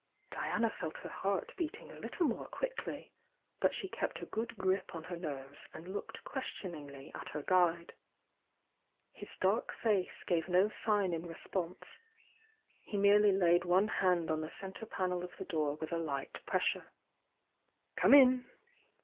Diana felt her heart beating a little more quickly, but she kept a good grip on her nerves, and looked questioningly at her guide. His dark face gave no sign in response; he merely laid one hand on the centre panel of the door with a light pressure. "Come in!"